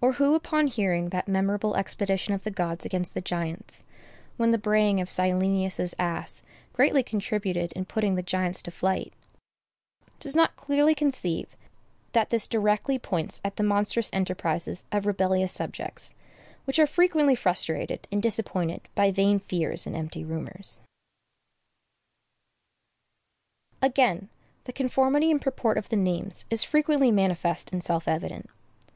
Or who, upon hearing that memorable expedition of the gods against the giants, when the braying of Silenus's ass greatly contributed in putting the giants to flight, does not clearly conceive that this directly points at the monstrous enterprises of rebellious subjects, which are frequently frustrated and disappointed by vain fears and empty rumors? Again, the conformity and purport of the names is frequently manifest and self evident.